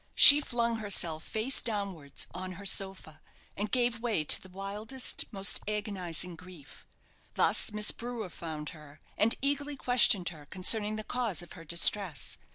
She flung herself, face downwards, on her sofa, and gave way to the wildest, most agonizing grief. Thus Miss Brewer found her, and eagerly questioned her concerning the cause of her distress.